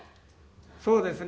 「そうですね」